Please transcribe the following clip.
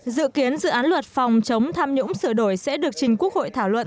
dự kiến dự án luật phòng chống tham nhũng sửa đổi sẽ được trình quốc hội thảo luận